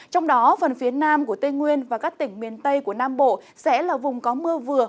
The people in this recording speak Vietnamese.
trong đó phần phía nam của tây nguyên và các tỉnh miền tây của nam bộ sẽ là vùng có mưa vừa